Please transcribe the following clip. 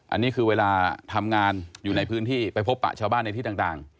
อันนี้คือเวลาทำงานอยู่ในพื้นที่ไปพบปะชาวบ้านในที่ต่าง